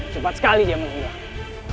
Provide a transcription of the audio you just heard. cepat sekali dia menghubungi aku